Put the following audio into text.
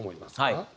はい。